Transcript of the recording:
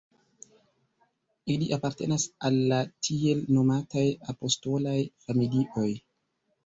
Ili apartenas al la tiel nomataj apostolaj familioj.